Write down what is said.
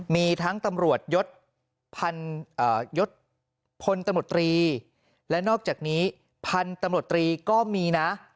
มีทั้งตำรวจยศพลตมตรีและนอกจากนี้พันตมตรีก็มีนะ